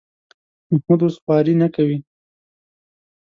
محمود اوس خواري نه کوي.